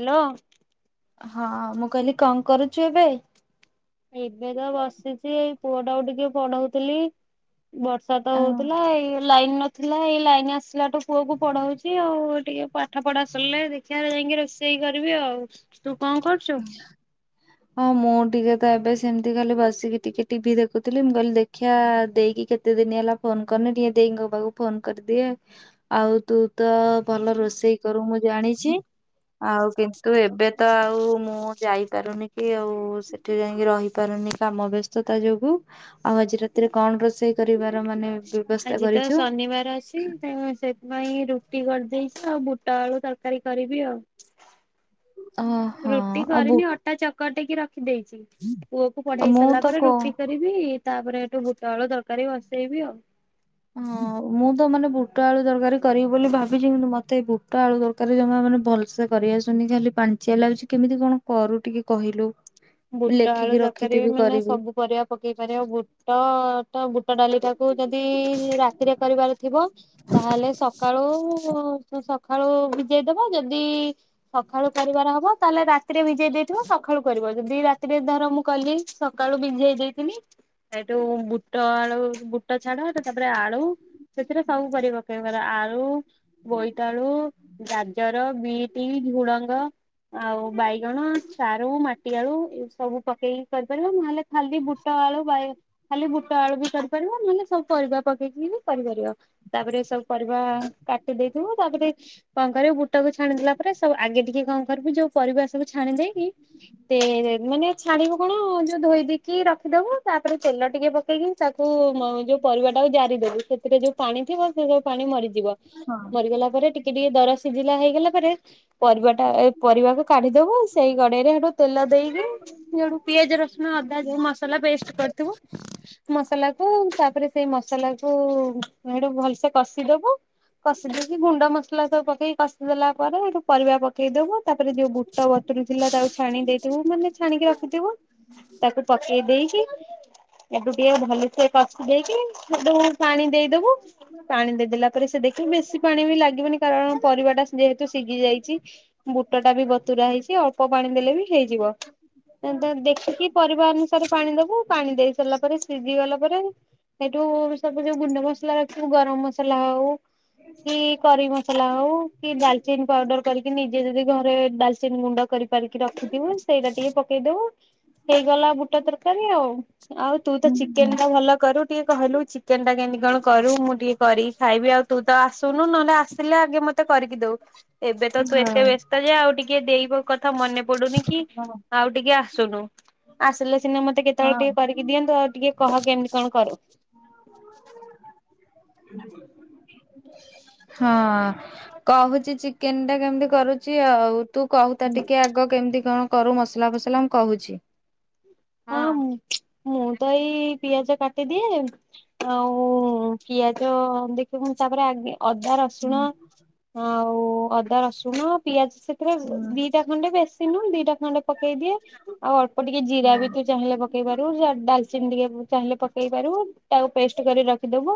Hello. ହଁ ମୁଁ କହିଲି କଣ କରୁଛୁ ଏବେ? ଏବେ ତ ବସିଛି ଏଇ ପୁଅ ଟାକୁ ଟିକେ ପଢଉଥିଲି। ବର୍ଷା ଥିଲା ଏଇ ଲାଇନ ଆସିଲାଠୁ ପୁଅ କ ପଢାଉଛି ଆଉ ଟିକେ ପାଠ ପଢା ସିଲେ ଦେଖିବା ଯାଇକି ରୋଷେ ରୋଷେଇ କରିବି ଆଉ ତୁ କଣ କରୁଛୁ? ହଁ ମୁଁ ଟିକେ ତ ଏବେ ସେମିତି ଖାଲି ବସିକି ଟିକେ ଟିଭିି ଦେଖୁଥିଲି ମୁଁ କହିଲି ଦେଖିଆ ଦେଇକି କେତେ ଦିନି ହେଲା ଫୋନ କରିନି ଟିକେ ଦେଇଙ୍କ ପାଖକୁ ଫୋନ କରିଦିଏ ଆଉ ତୁ ତ ଭଲ ରୋଷେଇ କରୁ ମୁଁ ଜାଣିଛି। ଆଉ କିନ୍ତୁ ଏବେ ତ ଆଉ ମୁଁ ଯାଇପାରୁନି କି ଆଉ ସେଠି ଯାଇକି ରହିପାରୁନି କାମ ବ୍ୟସ୍ତ ତା ଯୋଗୁ ଆଉ ଆଜି ରାତିରେ କଣ ରୋଷେଇ କରିବାର ମାନେ ବ୍ୟବସ୍ଥା ଆଜି ତ କରିଛୁ ଶନିବାର ଅଛି ତ ସେଥିପାଇଁ ରୁଟି କରିଦେଇଚି। ଆଉ ବୁଟ ଆଳୁ ତରକାରୀ କରିବି ଆଉ। ଓହୋ ରୁଟି ଆଉ ବୁ କରିନି ଅଟା ଚକ ଟିକି ରଖିଦେଇଛି ପୁଅ କ ପଢେଇ ମୁଁ ସାରିଲା ତ ପରେ କହୁ ରୁଟି କରିବି। ତାପରେ ହେଠୁ ବୁଟ ଆଳୁ ତରକାରୀ ବସେଇବି ଆଉ। ହଁ ମୁଁ ତ ମାନେ ବୁଟ ଆଳୁ ତରକାରୀ କରିବି ବୋଲି ଭାବିଛି କିନ୍ତୁ ମତେ ବୁଟ ଆଳୁ ତରକାରୀ ଜମା ମାନେ ଭଲସେ କରି ଆସୁନି ଖାଲି ପାଣିଞ୍ଚିଆ ଲାଗୁଚି କେମିତି କଣ କରୁ ଟିକେ କହିଲୁ? ବୁଟ ଆଳୁ ଲେଖିକି ତରକାରୀ ବି ରଖିଥିବି ମାନେ କରିବି। ସବୁ ପରିବା ପକେଇ ପାରିବ ଆଉ ବୁଟ, ବୁଟ ଡାଲି ଟାକୁ ଯଦି ରାତିରେ କରିବାର ଥିବ ତାହେଲେ ସକାଳୁ। ସକାଳୁ ଭିଜେଇଦବା ଯଦି ସକାଳୁ କରିବାର ହବ ତାହେଲେ ରା ରାତିରେ ଭିଜେଇ ଦେଇଥିବ ସକାଳୁ କରିବ ଯଦି ରାତିରେ ଧର ମୁଁ କଲି ସକାଳୁ ଭିଜେଇ ଦେଇଥିଲି। ସେଇଠୁ ବୁଟ ଆଳୁ ବୁଟ ଛଡିବ ତ ତାରେ ପରେ ଆଳୁ। ସେଥିରେ ସବୁ ପରିବା ପକେଇ ପାର ଆଳୁ, ବୋଇତାଳୁ, ଗାଜର, ବିଟ। ଟି ଝୁଡ଼ଙ୍ଗ ଆଉ ବାଇଗଣ, ସାରୁ, ମାଟି। ମାଟି ଆଳୁ ସବୁ ପକେଇକି କରିପାରିବା ନହେଲେ ଖାଲି ବୁଟ ଆଳୁ ଖାଲି ବୁଟ ଆଳୁ ବି କରିପାରିବ। ନହେଲେ ସବୁ ପରିବା ପକେଇକି ବି କରିପାରିବ। ତାପରେ ସବୁ ପରିବା କାଟି ଦେଇଥିବୁ ତାପରେ କଣ କରିବୁ ବୁଟ କୁ ଛାଣିଦେଲା ପରେ ସବୁ ଆଗେ ଟିକେ କଣ କରିବୁ ଯୋଉ ପରିବା ସବୁ ଛାଣିଦେଇକି। ମାନେ ଛାଣିବୁ କଣ ଯୋଉ ଧୋଇ ଦେଇକି ରଖିଦବୁ ତାପରେ ତେଲ ଟିକେ ପକେଇକି ତାକୁ ଯୋଉ ପରିବା ଟାକୁ ଜାରି ଦେବୁ, ସେଥିରେ ଯୋଉ ପାଣି ଥିବ ସେ ସବୁ ପାଣି ମରିଯିବ। ବ ମରିଗଲା ପରେ ଟିକେ ଟିକେ ଦର ସିଝିଲା ହେଇଗଲା ପରେ ପରିବା ଟା ପରିବାକୁ କାଢିଦବ, ସେଇ ଗଡେଇରେ ସେଠୁ ତେଲ ଦେଇ ଯୁ ପିଆଜ ରସୁଣ ଅଦା ଦେଇ ମସଲା ପେଷ୍ଟ କରିଥିବ, ମସଲାକୁ ତାପରେ ସେଇ ମସଲା କୁ ସେଠୁ ଭଲସେ କଷିଦବୁ କଷି ଦେଇେକି ଗୁଣ୍ଡ ମସଲା ସବୁ ପକେଇ କସିଦେଲା ପରେ ଠୁ ପରିବା ପକେଇ ପକେଇଦବ, ତାପରେ ଯୋଉ ବୁଟ ବତୁୁର ଥିଲା ତା ଦେଇଥିବୁ, ମାନେ ଛାଣିକି ରଖୁଥିବୁ, ତାକୁ ପକେଇ ଦେଇକି ଟିକେ ଭଲସେ କଷି ଦେଇକି ପାଣି ଦେଇଦବୁ ପାଣି ଦେଇଦେଲା ପରେ ସେଖ ଏ ବେଶୀ ପାଣି ବି ଲାଗିବନି, କାରଣ ପରିବା ଟା ଯେହେତୁ ସିଝି ଯାଇଛି ବୁଟ ଟା ବି ବତୁରା ହେଇଛି ଅଳ୍ପ ପାଣି ଦେଲେ ବି ହେଇଯିବ, ଦେଖିକି ପରିବା ଅନୁସାରେ ପାଣି ଦବୁ ପାଣି ଦେଇ ସାରିଲା ପରେ, ସିଝି ଗଲା ପରେ ସେଇଠୁ ସବୁ ଯୋ ଗୁଣ୍ଡ ମସଲା ରଖିବୁ, ଗରମ ମସଲା ହଉ କି କରି ମସଲା ହଉ, କି ଡାଲଚିନ ପାଉଡର କରିକି ନିଜେ ଯଦି ଘରେ, ଡାଲଚିନ ଗୁଣ୍ଡ କରି କରିକି ରଖୁଥିବୁ, ସେଇଟା ଟିକେ ପକେଇଦବୁ, ହେଇଗଲା ବୁଟ ତରକାରୀ ଆଉ ଆଉ ତୁ ତ ହୁଁ ଚିକେନ ଟା ଭଲ କରୁ, ଟିକେ କହିଲୁ ଚିକେନ ଟା କେମିତି କଣ କରୁ, ମୁଁ ଟିକେ କରିକି ଖାଇବି, ଆଉ ତୁ ତ ଆସୁନୁ ନହେଲେ ଆସିଲେ ଆଗେ ମତେ କରିକି ଦଉ। ଏବେ ତ ତୁ ଏତେ ହଁ। ବ୍ୟସ୍ତ ଯେ- ଆଉ ଟିକେ ଦେଇବ କଥା ମନେ ପଡୁନି କି, ହଁ। ଆଉ ଟିକେ ଶୁଣୁ, ଆସିଲେ ସିନା ମତେ କେତେବେଳେ ଟିକେ କରିକି ଦିଅନ୍ତୁ, ଆଉ ଟିକେ କହ -କେମିତି କଣ କରୁ। ଆ [unintelligible] ହଁ କହୁଛି, ଚିକେନ ଟା କେମିତି କରୁଚି ଆଉ ତୁ କହୁ ତା ଟିକେ ଆଗ କେମିତି କଣ କରୁ ମସଲା ଫସଲା ମୁଁ କହୁଛି ହଁ ମୁଁ ତ ଏଇ ପିଆଜ କାଟିଦିଏ ଆଉ ପିଆଜ ଦେଖୁ। ତାପରେ ଆ ଅଦା ହୁଁ ରସୁଣ ଆଉ ଅଦା, ରସୁଣ, ପିଆଜ ସେ ହୁଁ ଦିଟା ଖଣ୍ଡେ, ବେଶୀ ନୁ ଦିଟା ଖଣ୍ଡେ ପକେଇ ଦିଏ ଆଉ ଅଳ୍ପ ଟିକେ ଜିରା ହଁ। ବି ତୁ ଚାହିଁଲେ ପକେଇ ପାରିବୁ, ଡାଲଚିନି ଟିକେ ଚାହିଁଲେ ପକେଇ, ତାକୁ ପେଷ୍ଟ ର ରଖିଦବୁ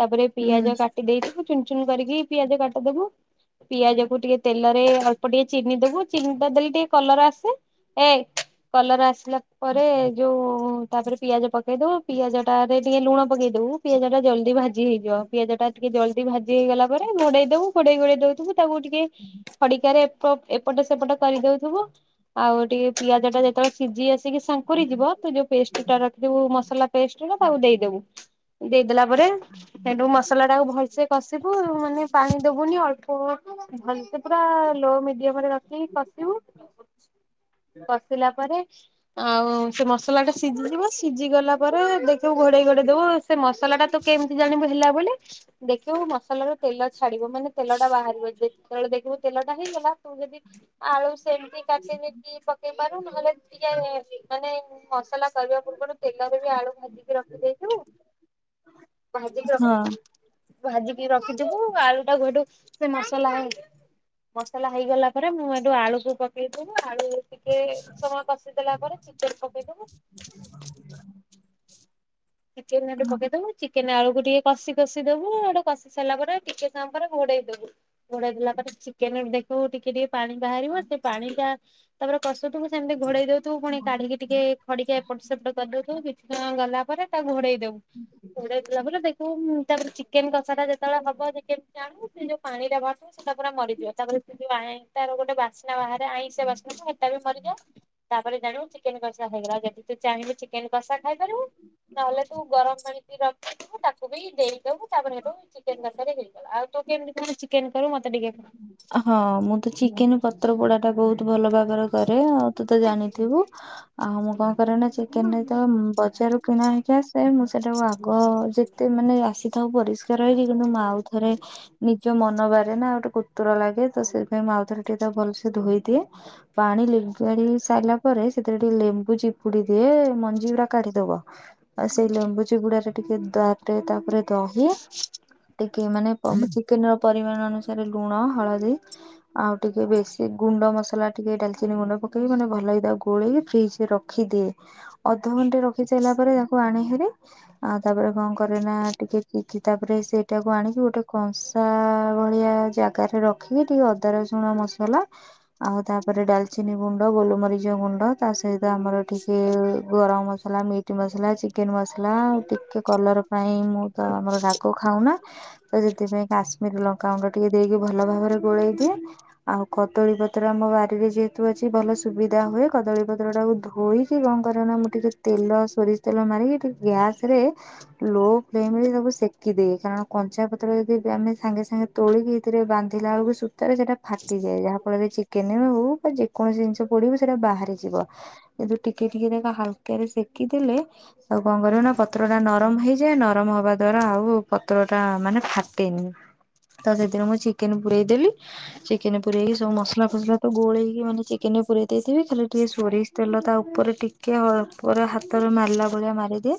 ତାପରେ ପିଆଜ ହୁଁ କାଟି ଦେଇଥିବୁ ଚୁନ ଚୁନ କରିକି ପିଆଜ କାଟିଦବୁ ପିଆଜକୁ ଟିକେ ତେଲରେ, ଅଳ୍ ଟିକେ ଚିନି ଦେବୁ ଚିହଟା ଦେଲେ ଟିକେ କଲର ଆସେ, ଏ କଲର ଆସିଲା ପରେ ଯୋଉ ତାପରେ ପିଆଜ ପକେଇ ଦଉ, ପିଆଜ ଟାରେ ଟିକେ ଲୁଣ ପକେଇ ଦବୁ, ପିଆଜ ଟା ଜଲଦି ଭାଜି ହେଇଯିବ। ପିଆଜ ଟା ଟିକେ ଜଲଦି ଭାଜି ହେଇଗଲା ପରେ ଘୋଡେଇ ଦବୁ, ଘୋଡେଇ ଘୋଡେଇ ଦଉଥିବୁ ତାକୁ ଟିକେ ଖଡିକାରେ ଏପଟେ ସେପଟ କରିଦେଉଥିବୁ ଆଉ ଟିକେ ପିଆଜ ଟା ଯେତେବେଳେ ସିଝି ଆସିବ ଶଙ୍କୁରି ଯିବ, ତୁ ଯୋଉ ପେଷ୍ଟ ଟା ରଖିିବୁ ମସଲା ପେଷ୍ଟ ତାକୁ ଦେଇଦବୁ। ଦେଇଦେଲା ପରେ, ସେଠୁ ମସଲା ଟାକୁ ଭଲସେ କଷିବୁ, ମାନେ ପାଣି ଦବୁନି ଅଳ୍ପ ଦବୁ ଭଲସେ [unintelligible] ପୁରା ଲୋ ମିଡିୟମରେ ରଖିକି କଷିବୁ କଷିଲା ପରେ ଆଉ ସେ ମସଲା ଟା ସିଝିଯିବ ସିଝି ଗଲା ପରେ ଦେଖିବୁ ଘୋଡେଇ ଘୋଡେଇ ଦବୁ ସେ ମସଲା ଟା ତୁ କେମିତି ଜାଣିବୁ ହେଲା ବୋଲି, ଦେଖିବୁ ମସଲାର ତେଲ ଛାଡିବ ମାନେ ତେଲ ଟା ବାହାରିବ ଯେବେଳେ ଦେଖୁ ତେଲଟା ହେଇଗଲା ତୁ ଯଦି ଆଳ ସେମିତି କାଟ ନେଇକି ପକେଇ ପାରୁ, ନହେଲେ ଟିକେ ମାନେ ମସଲା କରିବା ପୂର୍ବରୁ ତେଲରେ ବି ଆଳୁ ଭାଜିକି ରଖିଦେଇଥବୁ ଭାଜି କି ରଖ୍ ହଁ। ଭାଜିିକି ରଖିଥିବୁ, ଆଳୁ ଟା ହେଠୁ ସେ ମସଲା ମସଲା ହେଇଗଲା ପରେ, ମୁଁ ଏଠୁ ଆଳୁକୁ ପକେଇବି, ଆଳୁ ଟିକେ ସମୟ କଷିଦଲା ପରେ ଚେକେନ୍ ପକେଇବ, ଚେକେନ୍ ପକେଇଦବୁ ଚି ଚିକେନା ଆଳକୁ ଟିକେ କଷି କଷି ଦବୁ, ହେଟୁ କଷି ସାରିଲା ପରେ ଟିକେ ସମୟ ପରେ ଘୋଡେଇ ଦବୁ। ଘୋଡେଇ ଦେଲା ପରେ ଚିକେନ ଦେଖିବୁ, ଟିକେ ଟିକେ ପାଣି ବାହାରିବ ସେ ପାଣି ଟା ତାପରେ କସୁ ଥୁବୁ ସେମିତି ଘୋଡେଇ ଦଉଥିଵୁ ପୁଣି କାଢିକି ଟିକେ ଖଡ଼ିକା ଏପଟ ସେପଟ କରିଦଉଥିବୁ କିଛି ତ ଗଲା ପରେ ତାକୁ ଘୋଡେଇ ଦବୁ। ଘୋଡେଇ ଦେଲା ପରେ [unintelligible] ଦେଖୁ ତାପରେ ଚିକେନ କସା ଟା ଯେତେବେଳେ ହବ କେମିତି ଜାଣିବୁ ସେ ଯୋଉ ପାଣି ଟା ବାହାରୁଥିବ ସେ ଟା ପୁରା ମରିଯିବା ତାପରେ [unintelligible] ଯାଉ ତାର ଗୋଟେ ବାସ୍ନା ବାହାରେ ଆଇସେଁ ବାସ୍ନାୁ ଟା ସେତା ବି ମରିଯାଏ ତାପରେ ଜାଣିବୁ ଚିକେନ କଷା ହେଇଗଲା ଯଦି ତୁ ଚାହିଁବୁ ଚିକେନ କଷା ଖାଇପାରିବୁ ନହେଲେ ତୁ ଗରମ ପାଣିିକି ରଖିଥିବୁ ତାକୁ [unintelligible] ଦେଇ। ଦେବୁ ତାପ ରେ ହେଟୁ ଚିକେନ ତରକାରୀ ହେଇଗଲା ଆଉ ତୁ କେମତି କଣ ଚିକେନ କରୁ ମତେ ଟିକେ କହ। ହଁ ମୁଁ ଚିକେନ ପତ୍ର ପୋଡା ଟା ବହୁତ ଭଲ ଭାବରେ କରେ ଆଉ ତୁ ତ ଜାଣିଥିବୁ ଆଉ ମୁଁ କଣ [unintelligible] କ ଚିକେନ ତ ଯେତେବେଳେ ବଜାରରୁ କିଣା ହେଇକି ଆସେ ମୁଁ ସେଟାକୁ ଆଗ ଯେତେ ମାନେ ଆସେ ପରିଷ୍କାର ହେଇଛି କିନ୍ତୁ ମୁଁ ଆଉ ଥରେ ନିଜ ମନ ବାରେ ନା ଗୋଟେ [unintelligible] କୁତୁର ଲାଗେ ତ ସେଥିପାଇଁ ଆଉଥରେ ଟିକେ ତାକୁ ଭଲସେ ଧୋଇ ଦିଏ ପାଣି ଲିଗାଡି ସାରିଲା ପରେ ସେଥିରେ ଟିକେ ଲେମ୍ବୁ ଚିୁପୁ ଦିଏ ମଞ୍ଜି ଗୁରା କାଢି ଦବ। ଆଉ ସେଇ ଲେମ୍ବୁ ଚିପୁଡ଼ାରେ ଟିକେ [unintelligible] ତାପରେ ତାପରେ ଦହି। ଟିକେ ମାନେ ଚିକେନ ର ପରିମାଣ ଅନୁସାରେ ଲୁଣ ହଳଦୀ ଆଉ ଟିକେ ବେଶୀ ଗୁଣ୍ଡ ଗୁଣ୍ଡ ମସଲା ଟିକେ ଡାଲଚିନି ଗୁଣ୍ଡ ପକେଇ ମାନେ ଭଲ ହି ଗୋଳେଇ ଫ୍ରିଜ ରେ ରଖିଦିଏ ଅ ଅଧଘଣ୍ଟ ରଖି ସାରିଲା ପରେ ତାକୁ ଆଣିିକରି ଆଉ ତାପରେ କଣ କରେ ନା ଟିକେ କି ତାପରେ ସେଇଟାକୁ ଆଣିକି ଗୋଟେ କଂସା ଭଳିଆ ଜାଗରେ ରଖିକି ଟିକେ ଅଦାର ଶୁଣ ମସଲା ଆଉ ତାପରେ ଡାଲଚିନି ଗୁଣ୍ଡ ଗୋଲମରିଚ ଗୁଣ୍ଡ ତା ସହିତ ଆମର ଏଠି ଟିକେ ଗରମ ମସଲା ମିଟ୍ ମସଲା ଚିକେନ ମସଲା ଆଉ ଟିକେ କଲର ପାଇଁ ମୁଁ ତ ଆମର ରାଗ ଖାଉନା ତ ସେଥିପାଇଁ କାଶ୍ମୀର ଲଙ୍କାାଗୁଣ୍ଡ ଟିକେ ଦେଇକି ଭଲ ଭାବରେ ଗୋଳେଇ ଦିଏ। ଆଉ କଦଳୀ ପତ୍ର ଆମ ବାରିରେ ଯେହେତୁ ଅଛି ଭଲ ସୁବିଧା ହୁଏ କଦଳୀ ପତ୍ର ଟାକୁ ଧୋଇ କଣ କର ନା ମୁଁ ଟିକେ ତେଲ ସୋରିଷ ତେଲ ମାରିକି ଟିକେ ଗ୍ୟାସ ରେ ଲୋ ଫ୍ଲେମ୍ରରେ ସବୁ ସେକିଦିଏ କାରଣ କଞ୍ଚା ପତ୍ର ଯଦି ଆମେ ସାଙ୍ଗେ ସାଙ୍ଗେ ତୋଳିକି ଏଥିରେ ବାନ୍ଧିଲା ବେଳକୁ ତଥାପି ସେଟା ଫାଟିଯାଏ ଯାହା ଫଳରେ ଚିକେନ ହଉ ବା ଯେକୌଣସି ଜିନିଷ ପଡିବ ସେଇଟା ବାହାରି ଯିବ। ଯ ଟିକେ ଟିକେ ଦେଖ ହାଲକା ରେ ସେକି ଦେଲେ ଆଉ କଣ କରିବ ନା ପତ୍ର ଟା ନରମ ହେଇଯାଏ ନ ନରମ ହବା ଦ୍ଵାରା ଆଉ ପତ୍ର ଟା ମାନେ ଫାଟେନି। ତ ସେଥିରେ ମୁଁ ଚିକେନ ପୁରେଇ ଦେଲି ଚିକେନ ପୁରେଇକି ସବୁ ମସଲା ଫସଲା ତ ଗୋଲେଇକି ମାନେ ଚିକେନ ପୁରେଇ ଦେଇଥିବି ଖାଲି ଟିକେ ସୋରିଷ ତେଲ ତା ଉପରେ ଟିକେ ଅଳ୍ପରେ ହାତରେ ମାରିଲା ଭଳିଆ ମାରିଦିଏ।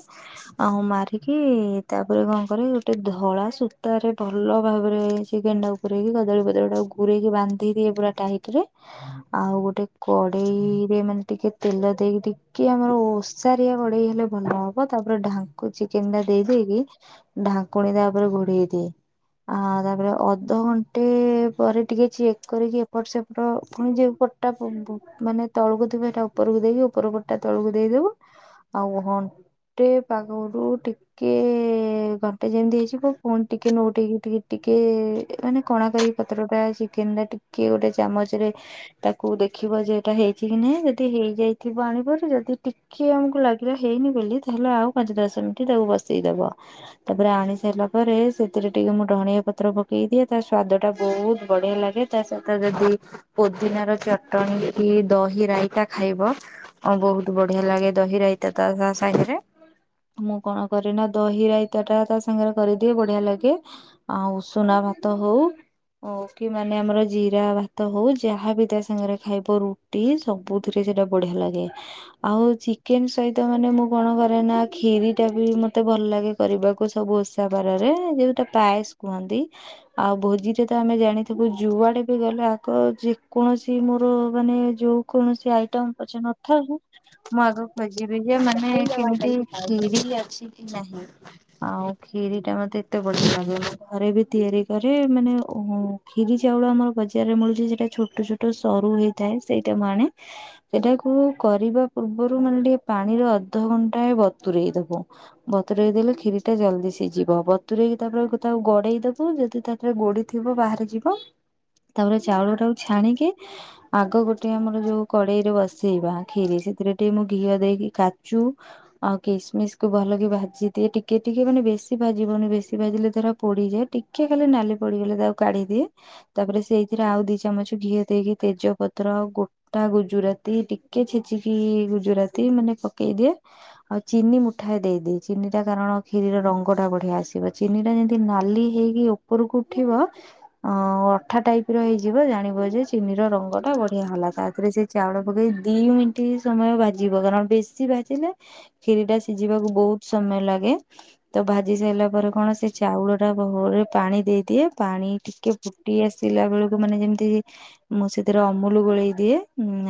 ଆଉ ମାରିକି ତାପରେ କଣ କରେ ଗୋଟେ ଧଳା ସୂତାରେ ଭଲ ଭାବରେ ସେ ଗେଣ୍ଡା ଉପରେ ଉପରେ କି କଦଳୀ [unintelligible] ବଦଳୀ ଗୁରେଇକି ବାନ୍ଧେ ଦିଏ ପୁରା ଟାଇଟ୍ ରେ ଆଉ ଗୋଟେ କଡେଇରେ ମାନେ ଟିକେ ତେଲ ତେଲ ଦେଇକି ଟିକେ ଆମର ଓଷାରିଆ କଢ଼େଇ ହେଲେ ଭଲ ହବ ତାପରେ ଢାଙ୍କୁ ଚିକେନ ଟା ଦେଇ ଦେଇ ଦିଏ ଢାଙ୍କୁଣୀ ତାପରେ ଘୋଡ଼େଇ ଦିଏ। ଆ ତାପରେ ଅଧ ଘଣ୍ଟେ ପରେ ଟିକେ ଚେକ୍ କରିକି ଏପଟ ସେପଟ ପୁଣି ଦେଇଦେବ। ଏପଟ ଟା ମାନେ ତଳକୁ ଥିବ ଏଟା ଉପରକୁ ଦେଇକି ଉପର ପଟଟା ତଳକୁ ଦେଇଦବୁ ଆଉ ଗୋଟେ ଗୋଟେ ପାଗରୁ ଟିକେ ଘଣ୍ଟେ ଯେମିତି ହେଇଯିବ ପୁଣି ଟିକେ ନଉଠେଇକି ଟିକେ ଟିକେ ମାନେ କଣା କରି ପତ୍ର ଟା କେମିତି କି ଟିକେ ଗୋଟେ ଚାମଚ ରେ ତାକୁ ଦେଖିବ ଯେ ଏଇଟା ହେଇଛି କି ନାଇଁ ଯଦି ହେଇଯାଇଥିବ ଆଣିବ ଏପରି ଯଦି ଟିକେ ଆମକୁ ଲାଗିଲା ହେଇନି ବୋଲି ତାହେଲେ ଆଉ ପାଞ୍ଚ ଦଶ ମିନିଟ୍ ତାକୁ ବସେଇ ଦେବ। ବସେଇଦେବ ତାପରେ ଆଣି ସାରିଲା ପରେ ସେଥିରେ ଟିକେ ମୁଁ ଧନିଆଁ ପତ୍ର ପକେଇ ଦିଏ ତା ସ୍ଵାଦ ଟା ବହୁତ୍ ବହୁତ ବଢ଼ିଆ ଲାଗେ ତା ସହିତ ଯଦି ପୋଦିନା ର ଚଟଣି କି ଦହି ରାଇତା ଖାଇବ ଖାଇବ ବହୁତ ବଢ଼ିଆ ଲାଗେ ଦହି ରହିତା ତା ତା ସାଙ୍ଗରେ ମୁଁ କଣ କରେ ନା ଦହି ରାଇତା ଟା ତା ସାଙ୍ଗରେ କରିଦିଏ ବଢ଼ିଆ ଲାଗେ ଆଉ ଉଷୁନା ଭାତ ହଉ ହଉ କି ମାନେ ଆମର ଜିରା ଭାତ ହଉ ଯାହାବି ତା ସାଙ୍ଗରେ ଖାଇବ ରୁଟି ସବୁଥିରେ ସେଇଟା ବଢିଆ ଲାଗେ ଆଉ ଚିକେନ ସହିତ ମାନେ ମୁଁ କଣ କରେ ନା କ୍ଷୀରି ଟା ବି ବି ମତେ ଭଲ ଲାଗେ କରିବାକୁ ସବୁ ଓଷା ବାରରେ ଯଉଟା ପାଏସ କୁହନ୍ତି ଆଉ ଆଜି ଯଦି ତ ଆମେ ଜାଣିଥିବୁ ଯୁଆଡ଼େ ବି ଗଲେ ଆଗ ଯେକୌଣସି ମୋର ମାନେ ଯୋଉ କୌଣସି ଆଇଟମ୍ ପଛ ନଥାଉ ମୁଁ ଆଗକୁ ଖୋଜିବି ଯେ ମାନେ କେମତି କ୍ଷୀରି ଚିକେନ ଅଛି କି ନାହିଁ ଆଉ ଖିରି ଟା ମତେ ଏତେ ବଢ଼ିଆ ଲାଗେ ଘରେ ବି ତିଆରି କରେ ମାନେ କ୍ଷୀରି ଚାଉଳ ଆମର ବଜାରରେ ମିଳୁଛି ସେଟା ଛୋଟ ଛୋଟ ସରୁ ହେଇଥାଏ ସେଇଟା ମୁଁ ଆଣେ। ସେଟାକୁ କରିବା ପୂର୍ବରୁ ମାନେ ଟିକେ ପାଣିର ଅଧଘଣ୍ଟାଏ ବତୁରାଇ ଦବୁ। ବତୁରାଇ ଦେଲେ କ୍ଷୀରି ଟା ଜଳଦି ସିଝିବ ବତୁରଇକି ତା ପରେ ଉପରକୁ ଗଡ଼େଇ ଦବୁ ଯଦି ତା ଉପରେ ଗୋ ଗୋଡ଼ି ଥିବା ବାହାରିଯିବ ତାପରେ ଚାଉଳ ଟାକୁ ଛାଣିକି ଆଗ ଗୋ ଆମର ଯୋଉ କଢ଼େଇରେ ବସେଇବା କ୍ଷୀରି ସେଥିରେ ଟିକେ ମୁଁ ଘିଅ ଦେଇକି କାଜୁ ଆଉ କିସମିସ୍ ଭଲକି ଭାଜି ଦିଏ ଟିକେ ଟିକେ ମାନେ ବେଶୀ ଭାଜିବନି ବେଶୀ ଭାଜିଲେ ତାର ପୋଡ଼ିଯାଏ ଟିକେ ଖାଲି ନାଲି ପଡ଼ିଗଲେ ତାକୁ କାଢ଼ିଦିଏ ତାପରେ ସେଇଥିରେ ଆଉ ଦି ଚାମଚ ଘିଅ ଦେଇକି ତେଜ ପତ୍ର ଗୋଟା ଗୁଜୁରାତି ଟିକେ ଛେଚିକି ଗୁଜୁରାତି ମାନେ ପକେଇ ଦିଏ ଆଉ ଚିନି ମୁଁ ମୁଠାଏ ଦେଇଦିଏ ଚିନିଟା କାରଣ କ୍ଷୀରିର ରଙ୍ଗଟା ବଢ଼ିଆ ଆସିବ ଚିନି ଟା ଯେମିତି ନାଲି ହେଇକି ଉପରକୁ ଉଠିବ ଅ ଅଠା ଟାଇପ ର ହେଇଯିବ ଜାଣିବ ଯେ ଚିନି ରଙ୍ଗ ଟା ବଢ଼ିଆ ହେଲା ତା ପରେ ତାପରେ ସେ ଚାଉଳ ପକେଇ ଦି ମିନିଟ ସମୟ ଭାଜିବ କାରଣ ବେଶୀ ଭଜିଲେ କ୍ଷୀରିଟା ସିଝିବାକୁ ବହୁତ ସମୟ ଲାଗେ ତ ଭାଜି ସାରିଲା ପରେ କଣ ସେ ଚାଉଳ ଟା ଭଲରେ ପାଣି ଦେଇଦିଏ ପାଣି ଟିକେ ଫୁଟି ଆସିଲା ବେଳକୁ ମାନେ ଯେମିତି ମୁଁ ସେଥିରେ ଅମୁଲ୍ ଗୋଳେଇ ଦିଏ।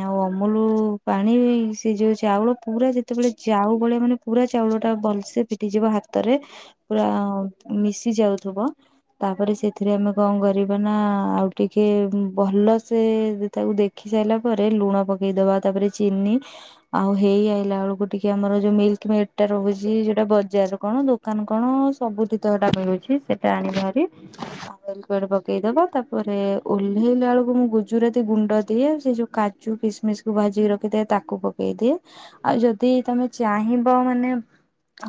ଆଉ ଅମୁଲୁ ପାଣି ସେ ଯୋଉ ଚାଉଳ ପୁରା ଯେତେବେଳେ ଚାଉ ଭଳିଆ ମାନେ ପୁରା ଚାଉଳ ଟା ଭଲସେ ପିଟିଯିବ ହାତରେ ପୁରା ମିଶି ଯାଉଥିବ। ତାକୁ ତାପରେ ସେଥିରେ ଆମେ କଣ କରିବା ନା ଆଉ ଟିକେ ଭଲ ସେ ତାକୁ ଦେଖି ସାରି ସାରିଲା ପରେ ଲୁଣ ପକେଇଦବା ତାପରେ ଚିନି ଆଉ ହେଇ ଆଇଲା ବେଳକୁ ଟିକେ ଆମର ଯୋଉ ମିଲ୍କ ମିଲ୍କଟା ରହୁଛି ସେଟା ବଜାରୁ କଣ ଦୋ ଦୋକାନ କଣ ସବୁଠି ତ ଏଟା ମିଳୁଛି ସେଟା ଆଣିବାହାରି ପକେଇଦବା ତାପ ତାପରେ ଓହ୍ଲେଇଲା ବେଳକୁ ମୁଁ ଗୁଜୁ ଗୁଜୁରାତି ଗୁଣ୍ଡ ଦିଏ ସେ ଯୋଉ କାଚୁ କିସମିସ୍ କୁ ଭାଜିକି ରଖିଥାଏ ତାକୁ ପକେଇ ଦିଏ। ଆଉ ଯଦି ତମେ ଚାହିଁବ ମ୍ୟାମ୍।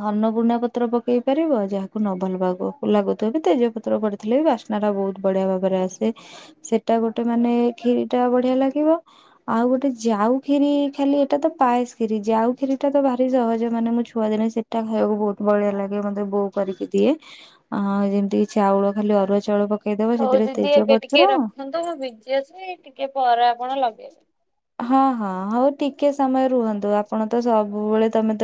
ଅର୍ଣ୍ଣପୁନା ପତ୍ର ପକେଇ ପାରିବ ଯାହାକୁ ନ ଭଲ ଲାଗୁଥିବ ବି ତେଜ ପତ୍ର କରିଥିଲେ ବି ବାସ୍ନା ବହୁତ ବଢ଼ିଆ ଭାବରେ ଆସେ ସେଟା ଗୋଟେ ମାନେ କ୍ଷୀରିଟା ବଢ଼ିଆ ଲାଗିବ ଆଉ ଗୋ ଗୋଟେ ଯାଉ କ୍ଷୀରି ଖାଲି ଏଟା ତ ପାଏସ କ୍ଷୀରି ଯାଉ କ୍ଷୀରିଟା ତ ଭାରି ସହଜ। ମାନେ ମୋ ଛୁଆ ଦିନେ ସେଟା ଖାଇବାକୁ ବହୁତ ବଢ଼ିଆ ଲାଗେ ମତେ ବୋଉ କରିକି ଦିଏ। ହଁ ଯେମିତିକି ଚାଉଳ ଖାଲି ଅରୁଆଚାଉଳ ହୋଉ ଦିଦି ଏବେ ଟିକେ ରଖନ୍ତୁ। ମୁଁ ବିଜି ଅଛି ଟିକେପରେ ଆପଣ ଲଗେଇବେ। ହଁ ହଁ ହଉ ଟିକେ ସମୟ ରୁହନ୍ତୁ। ଆପଣତ ସବୁବେଳେ ତମେତ